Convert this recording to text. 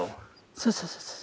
そうそうそうそう。